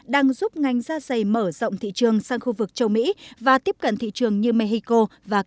đang giúp ngành da dày mở rộng thị trường sang khu vực châu mỹ và tiếp cận thị trường như mexico và canada